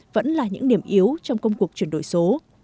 vẫn là những điểm yếu trong công cuộc chuyển đổi số